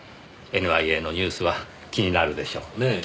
ＮＩＡのニュースは気になるでしょうねぇ。